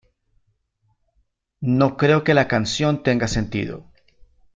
No creo que la canción tenga sentido.